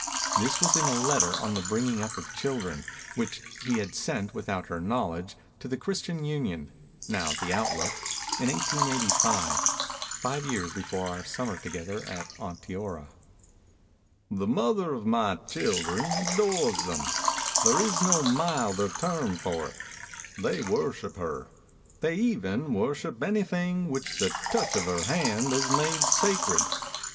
This was in a letter on the bring ing up of children, which he had sent without her knowledge to the Christian Union (now the Outlook), in 1885, five years before our summer together at Onteora: The mother of my children adores them there is no milder term for it; and they worship her; they even worship anything which the touch of her hand has made sacred.